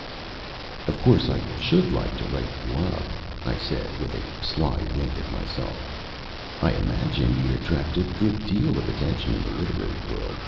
"Of course I should like to write you up," I said, with a sly wink at myself. "I imagine you'd attract a good deal of attention in the literary world.